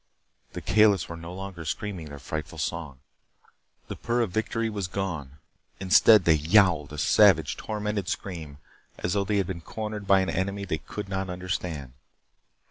The Kalis were no longer screaming their frightful song. The purr of victory was gone. Instead they yowled a savage, tormented scream as though they had been cornered by an enemy they could not understand.